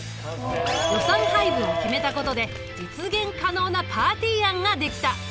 予算配分を決めたことで実現可能なパーティー案ができた。